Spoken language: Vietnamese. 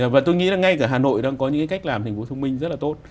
và tôi nghĩ là ngay cả hà nội đang có những cách làm thành phố thông minh rất là tốt